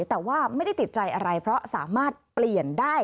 แต่ว่าไม่ได้ติดใจอะไรเพราะสามารถเปลี่ยนได้